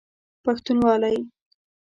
پښتونوالی